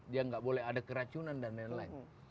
dia nggak boleh ada keracunan dan lain lain